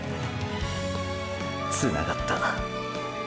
つながったーー。